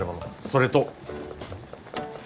それと。